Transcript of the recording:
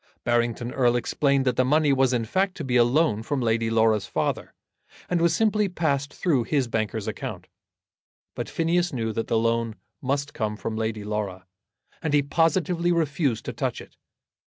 Barrington Erle explained that the money was in fact to be a loan from Lady Laura's father, and was simply passed through his banker's account. But Phineas knew that the loan must come from Lady Laura, and he positively refused to touch it.